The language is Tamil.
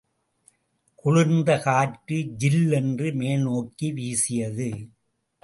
குளிர்ந்த காற்று ஜில்லென்று மேல் நோக்கி வீசியது.